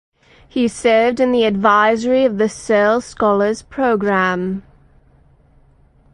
He served in the advisory of the Searle Scholars Program.